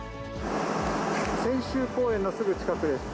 千秋公園のすぐ近くです。